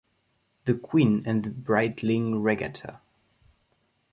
The Queen and the Breitling Regatta.